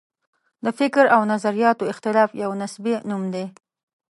د فکر او نظریاتو اختلاف یو نصبي نوم دی.